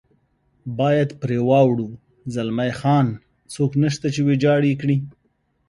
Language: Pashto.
باید پرې واوړو، زلمی خان: څوک نشته چې ویجاړ یې کړي.